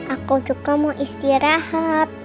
aku juga mau istirahat